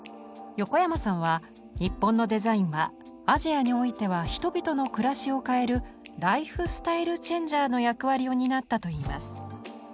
横山さんは日本のデザインはアジアにおいては人々の暮らしを変える「ライフスタイル・チェンジャー」の役割を担ったといいます。